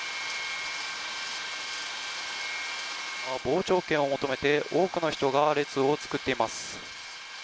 傍聴券を求めて、多くの人が列を作っています。